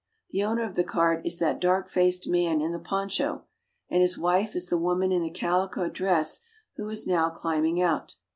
The owner of the cart is that dark faced man in the poncho, and his wife is the woman in the calico dress who is now climbing out.